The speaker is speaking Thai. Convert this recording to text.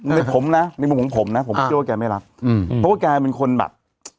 ในผมนะผมเชื่อว่าแกไม่รับเพราะว่าแกเป็นคนแบบ